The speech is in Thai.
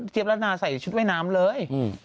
เจี๊ยบรามาส่ายชุดว่ายน้ำเลย